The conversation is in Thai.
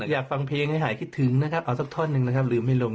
อยากฟังเพลงให้หายคิดถึงเอาสักท่อนลืมให้ลง